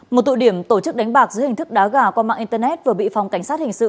một tụ điểm tổ chức đánh bạc dưới hình thức đá gà qua mạng internet vừa bị phòng cảnh sát hình sự